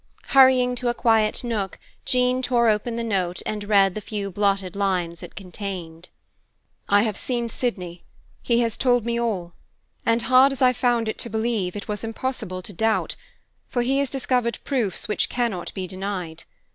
Hurrying to a quiet nook, Jean tore open the note and read the few blotted lines it contained. _I have seen Sydney; he has told me all; and, hard as I found it to believe, it was impossible to doubt, for he has discovered proofs which cannot be denied.